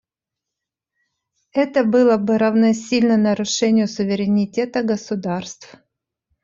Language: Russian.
Это было бы равносильно нарушению суверенитета государств.